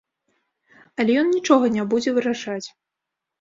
Але ён нічога не будзе вырашаць.